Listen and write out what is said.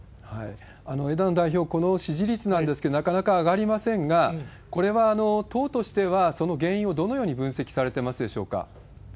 枝野代表、この支持率なんですけど、なかなか上がりませんが、これは党としてはその原因をどのように分析されてますでしょうか？